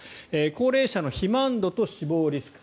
高齢者の肥満度と死亡リスク